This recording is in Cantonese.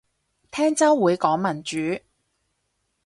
聽週會講民主